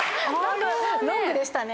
ロングでしたね。